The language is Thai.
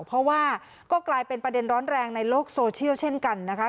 เพราะว่าก็กลายเป็นประเด็นร้อนแรงในโลกโซเชียลเช่นกันนะคะ